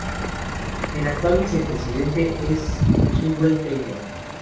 El actual vicepresidente es Jewel Taylor.